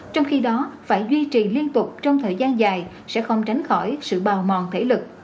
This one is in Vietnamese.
trong khi đó phải duy trì liên tục trong thời gian dài sẽ không tránh khỏi sự bào mòn thể lực